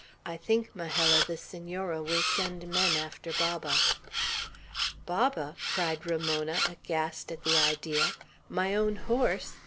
I think, Majella, the Senora will send men after Baba." "Baba!" cried Ramona, aghast at the idea. "My own horse!